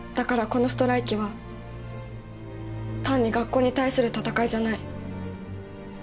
このストライキは単に学校に対する闘いじゃない。